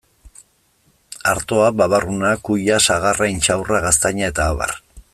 Artoa, babarruna, kuia, sagarra, intxaurra, gaztaina eta abar.